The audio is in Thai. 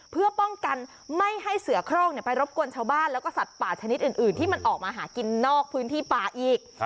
เพื่อป้องกันไม่ให้เสือโครงไปรบกวนชาวบ้านแล้วก็สัตว์ป่าชนิดอื่นที่มันออกมาหากินนอกพื้นที่ป่าอีก